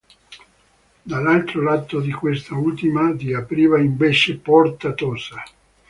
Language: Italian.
Dall'altro lato di quest'ultima di apriva invece Porta Tosa.